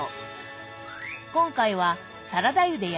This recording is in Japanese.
今回はサラダ油で焼きます。